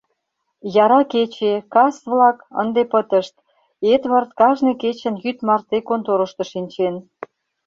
Яра кече, кас-влак ынде пытышт, — Эдвард кажне кечын йӱд марте конторышто шинчен.